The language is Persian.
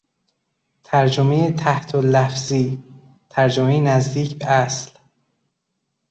ترجمهی تحتاللفظی، ترجمهی نزدیک به اصل